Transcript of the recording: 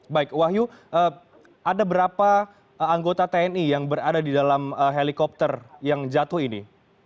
baik wahyu ada berapa anggota tni yang berada di dalam helikopter yang jatuh ini